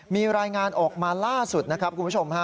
มีรายงานออกมาล่าสุดนะครับคุณผู้ชมฮะ